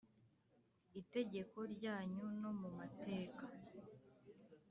itegeko ryanyu no mu mateka